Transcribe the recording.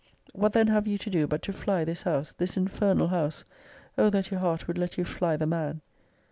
>>> What then have you to do, but to fly this house, this infernal house! O that your heart would let you fly the man!